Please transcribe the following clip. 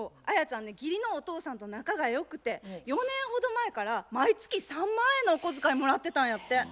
アヤちゃんね義理のお父さんと仲が良くて４年ほど前から毎月３万円のお小遣いもらってたんやって。